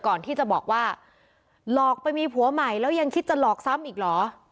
ก่อนที่จะบอกว่าหลอกไปมีผัวใหม่แล้วยังคิดจะหลอกซ้ำอีกเหรอ